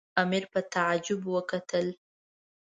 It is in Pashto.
امیر په تعجب وکتل.